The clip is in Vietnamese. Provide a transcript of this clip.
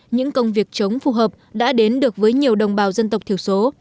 những công việc chống phù hợp đã đến được với nhiều đồng bào dân tộc thiểu số